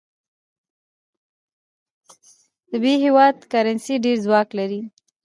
د ب هیواد کرنسي ډېر ځواک لري.